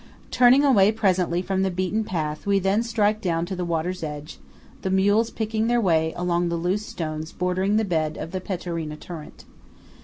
Turning away presently from the beaten path, we then strike down to the water's edge, the mules picking their way along the loose stones bordering the bed of the Pettorina torrent.